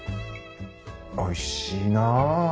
おいしいな。